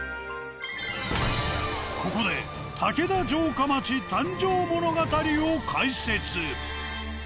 ここで竹田城下町誕生物語を解説。